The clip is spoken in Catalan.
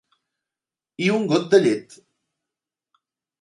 I un got de llet.